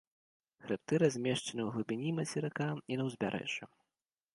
Хрыбты размешчаны ў глыбіні мацерыка і на ўзбярэжжы.